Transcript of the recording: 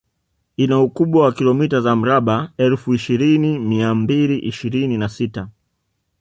Ina ukubwa wa kilomita za mraba elfu ishirini mia mbili ishirini na sita